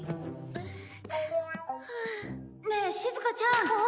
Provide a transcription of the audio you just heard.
ねえしずかちゃん。